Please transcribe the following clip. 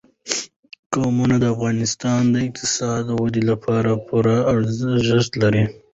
قومونه د افغانستان د اقتصادي ودې لپاره پوره ارزښت لري.